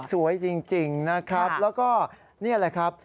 สวยจริงนะครับแล้วก็นี่แหละครับ